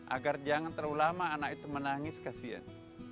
agar jangan terlalu lama anak itu menangis kasihan